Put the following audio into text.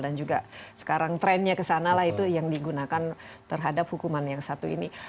dan juga sekarang trennya kesanalah itu yang digunakan terhadap hukuman yang satu ini